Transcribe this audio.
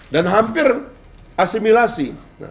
dan hampir asimilasi